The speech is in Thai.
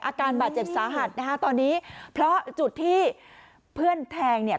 อาการบาดเจ็บสาหัสนะคะตอนนี้เพราะจุดที่เพื่อนแทงเนี่ย